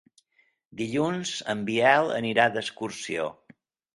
Dilluns en Biel anirà d'excursió.